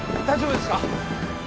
大丈夫ですか？